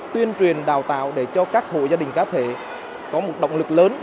tuyên truyền đào tạo để cho các hộ gia đình cá thể có một động lực lớn